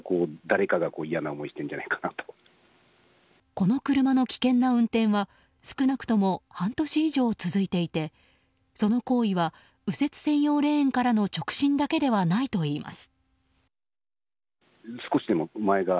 この車の危険な運転は少なくとも半年以上続いていてその行為は右折専用レーンからの直進だけではないといいます。